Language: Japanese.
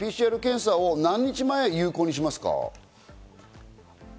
ＰＣＲ検査を何日前有効にしますか？